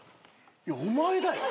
いやお前だよ。